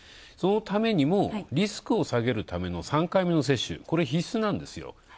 そのためにも、リスクを下げるための３回目の接種、これ必須なんですよ。